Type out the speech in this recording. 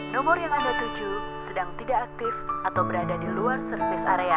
nomor yang anda tuju sedang tidak aktif atau berada di luar service area